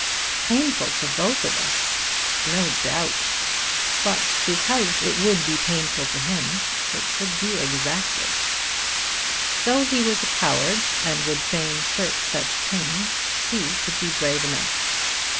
"Painful to both of us!" No doubt! But because it would be painful to him, it should be exacted. Though he was a coward and would fain shirk such pain, she could be brave enough.